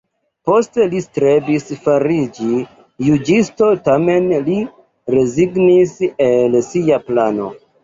Poste li strebis fariĝi juĝisto tamen li rezignis el sia plano.